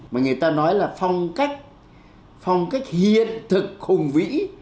mà người ta nói là phong cách phong cách hiện thực khủng vĩ